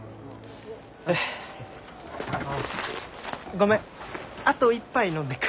ごめんあと一杯飲んでく。